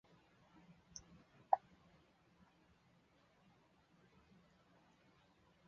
大殷皇帝王延政请求南唐出兵攻打福州。